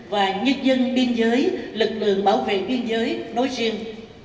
và nhân dân biên giới lực lượng bảo vệ biên giới nói riêng